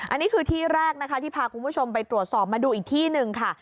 อันนี้คือที่แรกนะคะที่พาคุณผู้ชมไปตรวจสอบมาดูอีกที่หนึ่งค่ะ